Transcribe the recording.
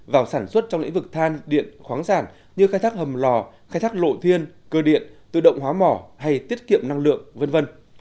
vào sản xuất trong lĩnh vực than điện khoáng sản như khai thác hầm lò khai thác lộ thiên cơ điện tự động hóa mỏ hay tiết kiệm năng lượng v v